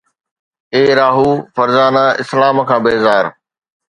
اي راهو فرزانه، اسلام کان بيزار